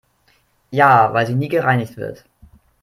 Ja, weil sie nie gereinigt wird.